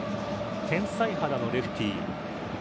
天才肌のレフティー。